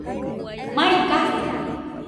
Mai kasi